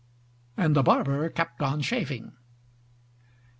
And the barber kept on shaving.